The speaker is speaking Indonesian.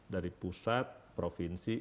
dari pusat provinsi